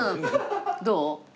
どう？